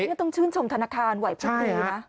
เนี่ยต้องชื่นชมธนาคารไว้ปฏินะ